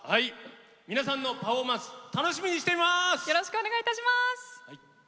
皆さんのパフォーマンス楽しみにしています！